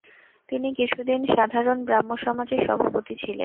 তিনি কিছুদিন সাধারণ ব্রাহ্মসমাজের সভাপতি ছিলেন।